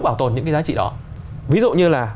bảo tồn những cái giá trị đó ví dụ như là